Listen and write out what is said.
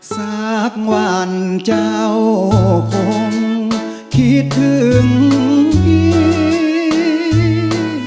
สักวันเจ้าคงคิดถึงอีก